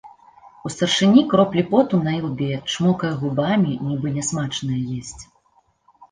У старшыні кроплі поту на ілбе, чмокае губамі, нібы нясмачнае есць.